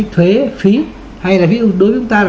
thuế phí hay là ví dụ đối với chúng ta là